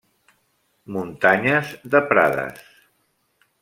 Muntanyes de Prades.